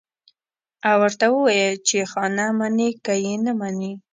او ورته ووايي چې خانه منې که يې نه منې.